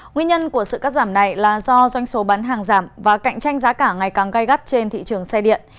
nguyên nhân của sự cắt giảm này là do doanh số bán hàng giảm và cạnh tranh giá cả ngày càng gai gắt trên thị trường xe điện